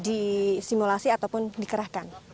disimulasi ataupun dikerahkan